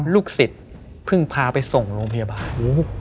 ลูกศิษย์เพิ่งพาไปส่งโรงพยาบาล